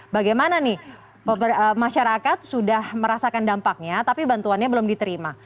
bagaimana nih masyarakat sudah merasakan dampaknya tapi bantuannya belum diterima